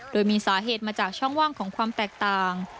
โดยมีสาเหตุมาจากช่องว่างของความแตกต่าง